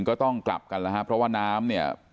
ก็ต้องกลับกันแล้วครับเพราะว่าน้ำเนี่ย